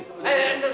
eh entar tuh